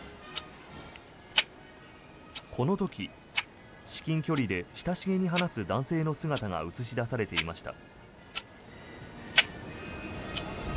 この時、至近距離で親しげに話す男性の姿が映し出されていました。